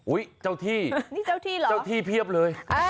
อุ๊ยเจ้าที่เจ้าที่เพียบเลย